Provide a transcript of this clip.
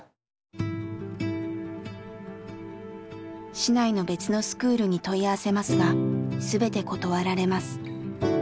市内の別のスクールに問い合わせますが全て断られます。